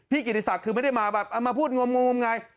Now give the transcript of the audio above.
พี่กินิศักดิ์คือไม่ได้มาแบบมาพูดงมไง